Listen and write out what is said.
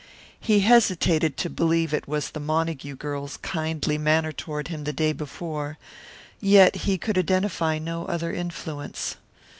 He hesitated to believe it was the Montague girl's kindly manner toward him the day before, yet he could identify no other influence.